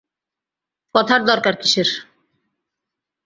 কথার দরকার কিসের।